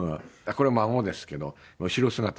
これは孫ですけど後ろ姿ですけどね。